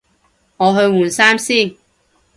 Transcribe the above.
我去換衫先